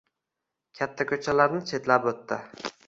Katta ko‘chalarni chetlab o’tdi